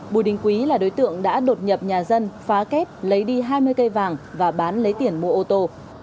bùi đình quý là đối tượng đã đột nhập nhà dân phá kết lấy đi hai mươi cây vàng và bán lấy tiền mua ô tô